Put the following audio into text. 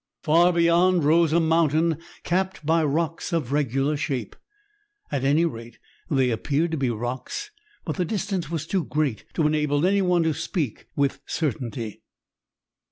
Far beyond rose a mountain capped by rocks of regular shape. At any rate, they appeared to be rocks, but the distance was too great to enable anyone to speak with certainty.